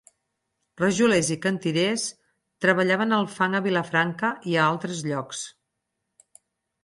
Rajolers i cantirers treballaven el fang a Vilafranca i altres llocs.